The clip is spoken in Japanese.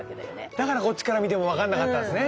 だからこっちから見ても分かんなかったんですね。